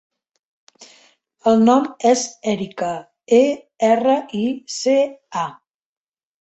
El nom és Erica: e, erra, i, ce, a.